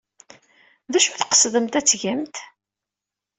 D acu tqesdemt ad t-tgemt?